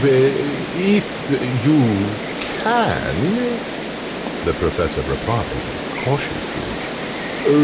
"If you can," the Professor replied, cautiously.